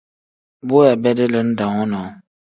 Bu weebedi lim dam wonoo.